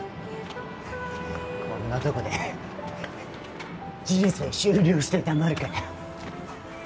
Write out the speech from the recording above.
こんなとこで人生終了してたまるか。